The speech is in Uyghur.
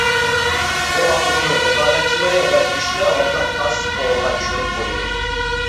بۇ ئامىل ئۇنى رىقابەتچىلىرى ۋە دۈشمىنى ئالدىدا پاسسىپ ئورۇنغا چۈشۈرۈپ قويىدۇ.